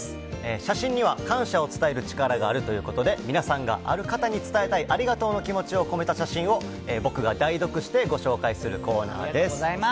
写真には感謝を伝える力があるということで、皆さんがある方に伝えたいありがとうの気持ちを込めた写真を僕が代読して、ご紹介するコーナーです。